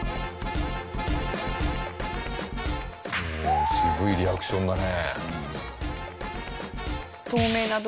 お渋いリアクションだね。